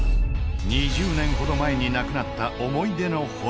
２０年ほど前になくなった思い出の堀弁。